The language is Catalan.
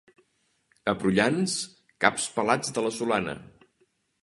A Prullans, caps pelats de la solana.